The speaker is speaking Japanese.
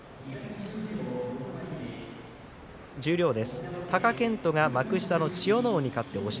十両です。